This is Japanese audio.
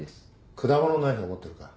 果物ナイフは持ってるか？